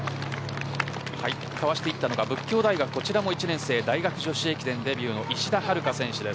かわしたのは佛教大学こちらも１年生大学女子駅伝デビューの石田遥花選手です。